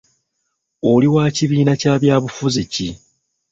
Oli wa kibiina kya byabufuzi ki?